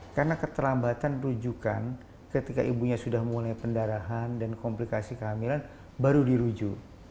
karena keterlambatan rujukan ketika ibunya sudah mulai pendarahan dan komplikasi kehamilan baru diruju